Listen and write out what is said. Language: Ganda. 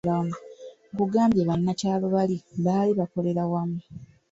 Nkugambye banakyalo bali baali bakolera wamu.